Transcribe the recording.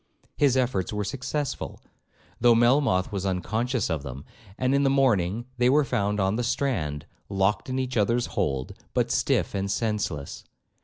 His efforts were successful, though Melmoth was unconscious of them; and in the morning they were found on the strand, locked in each other's hold, but stiff and senseless.